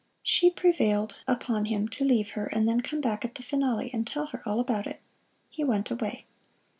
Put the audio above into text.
She prevailed upon him to leave her and then come back at the finale and tell her all about it. He went away.